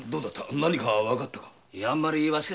何か分かったか？